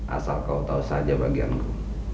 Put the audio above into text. asal kau tahu saja bagianku